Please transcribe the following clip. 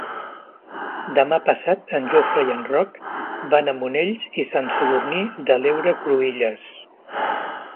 Demà passat en Jofre i en Roc van a Monells i Sant Sadurní de l'Heura Cruïlles.